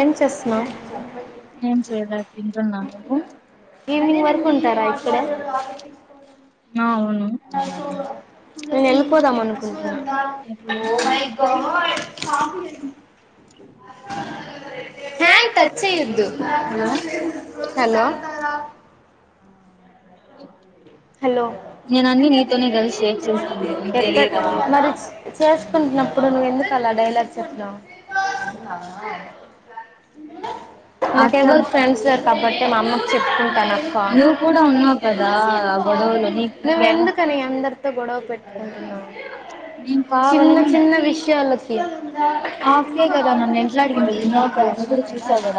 ఏం చేస్ నవ్ ఏం చేయి లే తింటున్న నువ్వు ఈవింగ్ వరకు ఉంటారా ఇక్కడే ఆ నే ఎళ్ళిపోదాం అనుకుంటున హ్యాన్ తచెయోద్దు హలో [inaudible] హలో ఎక్కడ్ మరి చేసుకున్ న్నప్పుడు నువ్వు ఎందుకులా డైలాగ్ సెప్ నవ్ నాకెవర్ ఫ్రెండ్స్ లెర్ కాబట్టే మా అమ్మక్ చెప్ కుంటానక్క నువ్ కుడా అనవ్ కద నువ్వెందుకని అందర్ త్ గొడవ్ పెట్టుకుంటునావ్ నేన్ కాద్ చిన్న చిన్న విష్ యాలక్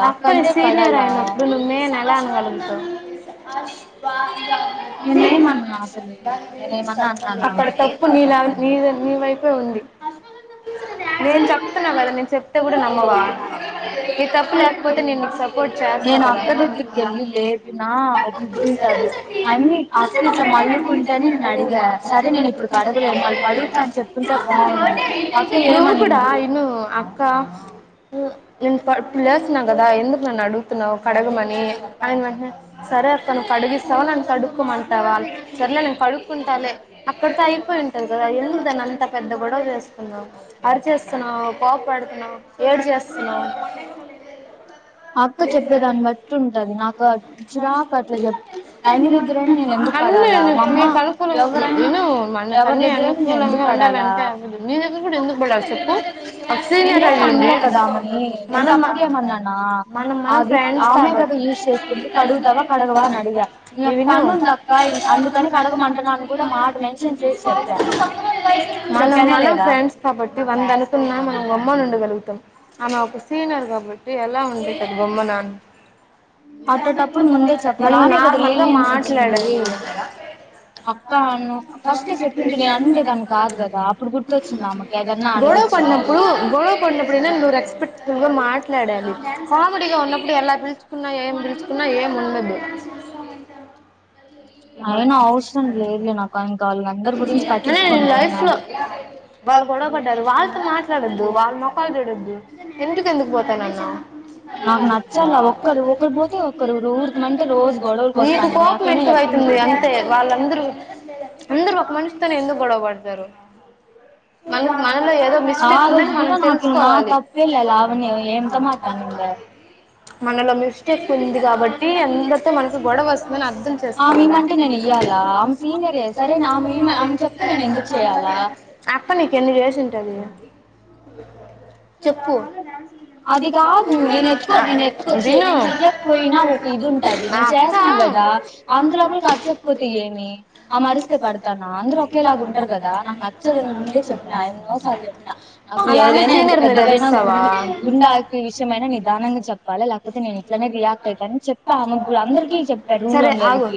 అక్క నేన్ సీనియరై నప్పుడు [unintelligible] నువ్ నేన్ ఎలా అనగలుగుతావ్ అక్కడ తప్పు నీలా నీ నీ వైపే ఉంది నేను చెప్తున్నా కదా నేను చెప్తే కూడా నమ్మవా నేను అక్క దగ్గరికి వెళ్ళి లేపిన చుస్ అన్ని ఆ సరే ఇట్లా మళ్ళుకుంటేనే నేన్ అడిగా సరే నేను ఇప్పుడు కడగలేను మళ్ళీ కడుగుతా అని చెప్పుకుంటే బాఉండు నువ్ కూడా ఇను అక్క [unintelligible] లేసునమ్ కదా ఎందుక్ నన్ అడుగుతున్నావు కడకమని అనిన్ వెంట్నే సరే అక్క నువ్ కడిగిస్తావ నన్ కడుకోమ్ టావామ్ సర్లే నేను కడుక్కుంటాలే అక్కడితో అయిపోయ్ ఉంటంది కదా ఎందుక్ దాన్ని అంత పెద్ద గొడవ చేసు ఉన్నావ్ అర్ చేస్తునవ్ కోపడుతునవ్ ఏడ్ చేస్తునవ్ అక్క చూసేదాన్ని బట్ టుంటాది నాక్ గాద్ చా కత్ [unintelligible] అన్ని నీ నీక్ అనుకులుండ్ న్యూ [unintelligible] మన పని అనుకూలంగా ఉండాలంటే మీ దగ్గర కూడా ఎందుక్ పడల్ చేప్పు ఒక సీనియరై ఉండి మనమ్ మనం మనమ్ ఫ్రెండ్స్ కాబట్ ఎ విను ఇ [unintelligible] అందుకని కడగ మంటునాను మనమ్ మనం ఫ్రెండ్స్ కాబట్టి వంద అనుకున్నా మనం ఓమన్ [unintelligible] నుండ్ గలుగుతాం ఆమె ఒక సీన్ యర్ కాబట్టి ఎలా ఉండి తది గమ్ము నా అట్టటప్పుడు ముందే చెప్పాలి ఆమె కదా లినియన్స్ [inaudible] [unintelligible] గ పడినప్పుడు గొడవ పడినప్పుడు నువు రెస్పెక్ట్ ఫుల్ గా మాట్లాడాలి కామెడీగా ఉన్నప్పుడు ఎలా పలుచుకునా ఏం పీల్చుకుని ఏం ఉండదు లైఫ్ లో వాళ్ళు గొడవ పడ్డారు వాళ్ళతో మాట్లాడొద్దు వాళ్ళ మొకలు చూడదు ఎందుకు ఎందుకు పోతానన్నవు నాకు నచ్చాలా ఒక్కరు ఒకరి పోతే ఒకరు ఊరికి మంటే రోజు గొడవలకి వస్తా అంట మెట్వ అవుతుంది అంతే వాళ్ళందరూ [inaudible] అందరు ఒక మనిషితోనే ఎందుకు గొడవబడతారు మన మనలో ఏదో మిస్టేక్ ఉందని మనం తెలుసుకోవాలి మనలో మిస్టేక్ ఉంది కాబట్టి ఎందరితో మనకు గొడవ వస్తుందని అర్థం చే ఆమెమంటే నేను ఇయ్యాలా ఆమె సీనియర్ సరేమె ఆమె చెప్తే నేను ఎందుకు చెయాల ఆ అక్క నీకు ఎన్ని చేసుంటది చెప్పు అది కాదు నేను ఎత్ ఎయి ఇది ఉంటది ఆ అంతలోపల [inaudible] చెప్పపోతు అమే మరిస్తే పడతామా అందరు ఒకేలాగా ఉండరు కదా నాకు నచ్చదు ముందే చెప్ప ఎన్నో సార్లు చేపిన అలా అని సీనియర్ మీద అరుస్తవ ఇలాంటిని చెప్తా అను ఇప్పు అందరికీ చెప్పదు సరే [inaudible] అగు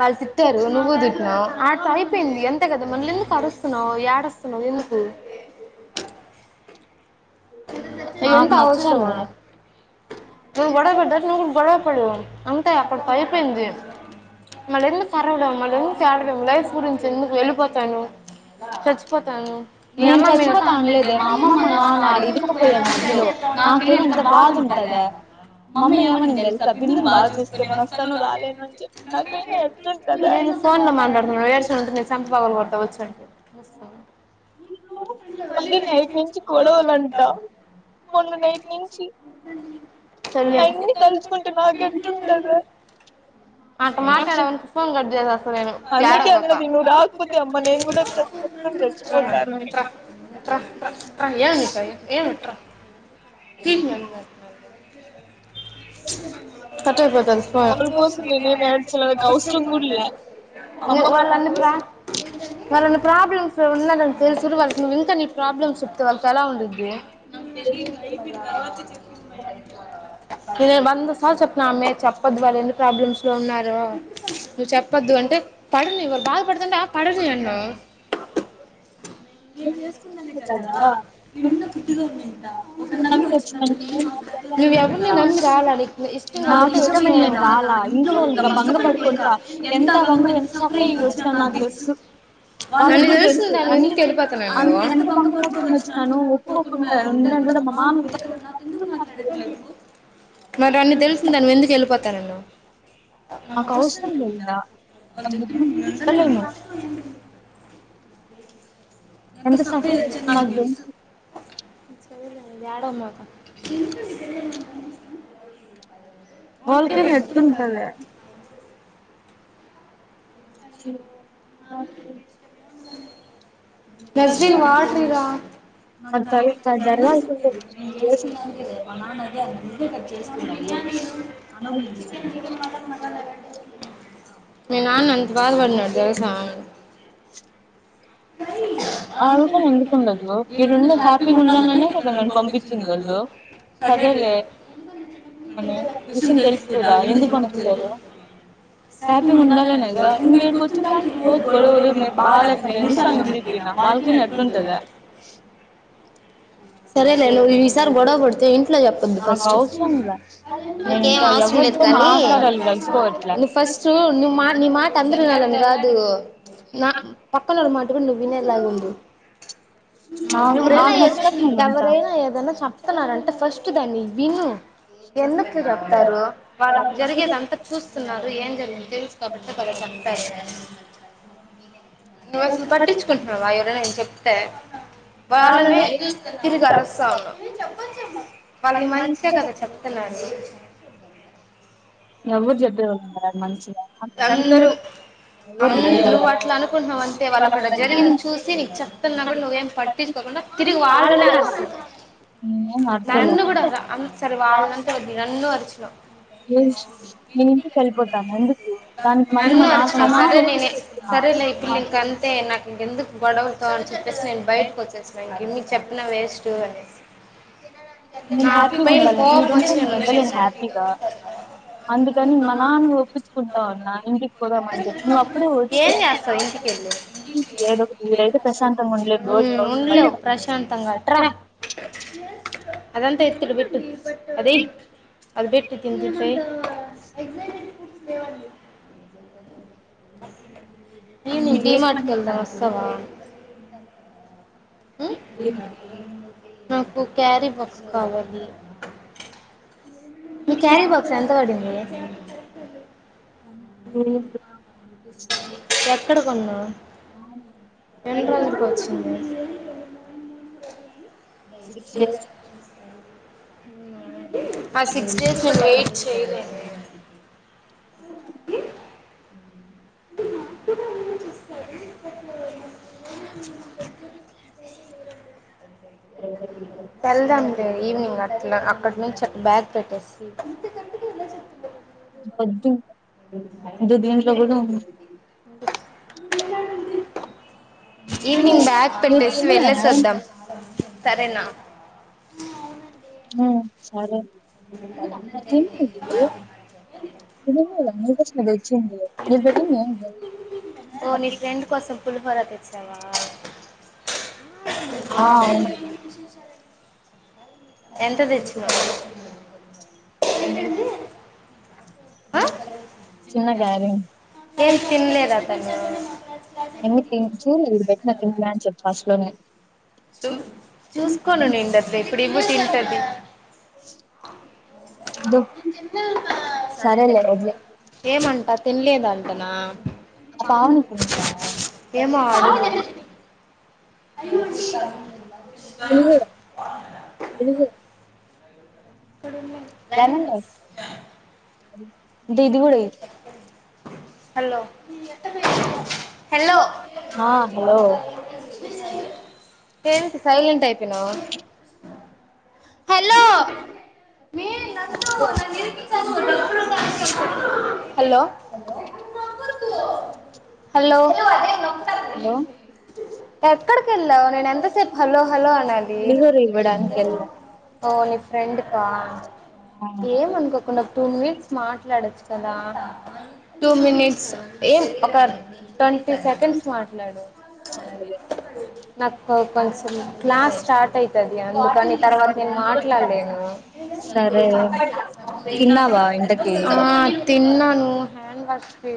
వాళ్ళు తిత్తారు నువ్వు తిట్టావ్ ఆడికి అయిపోయింది ఎంత క మళ్ళీ ఎందుకు అర్రుస్తున్నావు ఏడుస్తున్నావు ఎందుకు ఎంత అవసరం నువ్వు గొడవ పడ్డాక నువ్వు గొడవ పడు అంతే అక్కడకి అయిపోయింది మళ్ళందూకు అరవడం మళ్ళ ఎందుకు ఏడవడం లైఫ్ గురించి ఎందుకు వెళ్ళిపోతాను చచ్చిపోతాను మీ అమ్మ అడి ఇంట్లో పోయి చూడు నా పైన ఎంత బాధ ఉంటద మా అమ్మ ఏం అనిందో తెలుసా బిందు నీ బాగా చూసుకుకో నేను వస్తానో రాలేనో తేలేదు చెప్తే నాకైతే ఏట ఉంటది ఫోన్ లో మాట్లాడుతున్నా ఏడ్చినావు అనుకో నీ చంపపాగలకొడతా వచ్చినానంటే మళ్ళీ నైట్ నుంచి గడవళంటా మొన్న నైట్ నుంచి అన్నీ తలుసుకుంటే నాకెంతంటది ఉ అంట మాట్లాడవనీకో ఫోన్ కట్ చేసాస్త నేను ఏడవమక [inaudible] [inaudible] అటేపో తెలుపో [inaudible] వాళ్ళన్న ప్రా వాళ్ళన్న ప్రాబ్లమ్స్ ఇప్పుడ ఉన్నాడని తెలుసు వాళ్ళకి నువ్ ఇంకా నీ ప్రాబ్లమ్ చెప్తే వాళ్ళకి ఎలా ఉండద్ది నాకు తేలేదు అయిపోయిన తరవాత వచి చెప్పింది మే నేను వంద సార్లు చెప్న్నా మే చెప్పొద్దు వాళ్ళు ఎన్ని ప్రాబ్లమ్స్ లో ఉన్నారో నువ్వు చెప్పద్దు అంటే పడును వాళ్ళు బధపడుతఉంటే ఆ పడని అన్నావు నేను చేసుకున్నాందు కదా ఒకరిని నమ్మి వచ్చినాక [inaudible] నాకు ఇష్టమై నేను రాలా ఇంట్లో బంగ పడుకనుక ఎంత బంగా ఎంత సఫర్ అయ వచ్చినా నాకు తెలుసు [unintelligible] అ ఎంత బంగా పడుకొని వచ్చినానో [inaudible] మరి అన్నీ తెలుసిందనీవి ఎందుకు వెళ్ళిపోతానన్నవు నాకు ప్రశంందా అ ఎంత సఫ వచ్చందస్ చె వ్యాడమ్మాకా వాళ్క పెతుంటద బెస్న్ వాడుదా నా తసలుదు నేను చేసుకున్నాడానినికిదే మా నాన్న అది అది ముే ఇ చేసుకుంటా అన జీ మా మ మీ నాన్న అంత పారు పడినడు తెస అవు కూడాండి ండదు మీరుండ హ్యాపీగా ఉండాలనే కదా నన్ను పంపిించండళ్ళు సరేదు అని విషయం తెలుసుకుదా ఎందుకు పంపించారు హ్యాపీి ఉండాలనేదా ఇ ఇ వచ్చిా గో బా నిందిపిన వాళ్ నపం తెద సరేలేవ్ ఈ విసార్ బడ బడతేవ ఇం చెప్పద్ ఫస్ట్కేం అవసరం లేదు కానీ ఫస్ట్ ను మా నిీ మాట అందరు నళని కాదు నా పక్కనో మాటు కూడా నువ్ వినలాగంబ ఇగురేన్నా ఎవరైనా ఏదైనా చెప్తున్నారంటే ఫస్ట్ దాన్ని విను ఎందుకు రతారు వాళ్ళు అక్క జరిగేది అంతా చూస్తున్నారు ఏం జరిగి తెలుసు కాబడుతే ప సంత నువ్వు అసలు పట్టించుకుంటున్నావా ఎవర నేను చెప్తే వాళ్ళని తిరిగిరుస్తా ఉన్నా వాళ్ళని మంచిే కదా చెప్తున్నాండి ఎవరు చెట్ మనుషమిరు నువ్వు అట్లా అనుకుంటున్నావు అంతే వాళ్ళు అక్కడ జరిగింది చూసి నీ చెత్తన్న కూడా నువ్వేం పట్టించకో ంట తిగి వాళ్ళనే ఆ నన్ను కూడాంత సరే వాళ్ళంతే వద్దు నన్ను అరిచిలో ఏ నేను ఇంటి కలిపోతా అందు నన్ను అర్చనా సరే నేను సరేలే ఇ పిల్ం క అంతే నాకు ఇంకెందుకు బడవ తళ చెప్పేసి నేను బయటకు వచ్చేసా ఇంక మీకు చెప్పిన వేస్ట్ అనేసి నేను హ్యాపీగా ఉండాల మీరుంటే నను ఉండాల హ్యాపీగా అందుకని మ నాన్న ఒప్పించుకుంట అవునా ఇంటికి కూడా మ నువ్ అప్పుడే వచ్చ ఇకి ఏదో ఒక వీ అయితే ప్రశాంతంగాండలే బోజ బ అదంతా ఇతుడు బట్టు అదే అదిబట్ తితే ఎసటె ఫడ్ లేవ నను డి మార్ట్కిెల్దా వస్తావ ఆ నాకు క్యారీ బాక్స్ కావాలి ఈ క్యారీ బాక్స్ ఎంత పడింది ఉ ఎక్కడ కొన్నా ఎన్ని రోజుకు వచ్చింది [inaudible] ఆ సిక్స్ డేస్ నేను డయిట్ చేయలే ఏ [inaudible] [inaudible] తెలద ఉంది ఈవనింగ్ అట్లా అక్కడి నుంచి బ్యాగ్ పెట్టేసి వద్దు ఇదో దీంట్లో కూడా ఉన్నాయి మీరు తిన్నారా ఆ సరే [unintelligible] నీకు పెట్టింది ఏందే ఈశవ ఆ అవును ఎంత తెచ్చినవ్ [inaudible] ఆ చిన్న గారి ఎందుకే చూడ్లేదు ఈడ పెట్టినప్పుడు ల్యాం చె ఫస్లోనే చూ చూసుకోను నేను [unintelligible] ఇప్పుడు ఇప్పు తింటది సరే లే ఎం అంట తినలేదా నువ్ నా ఏమో ఆ అ అ పడు జనీంద దది గు హలో హలో అ ఏంటి సైలెంట్ అయిపోనవ్ హలో మే సంతు నన్ను ఇరికించకు హలో హలో ఎ ఎక్కడికెళ్లావ్ నేను ఎంత సేపు హలో హలో అనాలి ఓ ని ఫ్రెండ్ ఏమ అనుకోకుండా ఒక టూ మినిట్స్ మాట్లాడచ్చు కదా టూ మినిట్స్ ఏం ఒక ట్వంటీ సెకండ్స్ మాట్లాడు [inaudible] నాకు కొంచెం క్లాస్ స్టార్ట్ అవుతుది అందుకని తర్వాత నేను మాట్లాడలేను ఆ తిన్న నువ్ పో హ్యాండ్ వాష్వి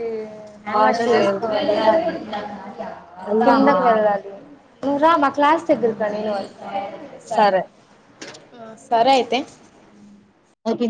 కిందకు వెళ్ళాలి నువ్వు రా మా క్లాస్ దగ్గరికి రా నేను వస్తా సరే సరే అయితే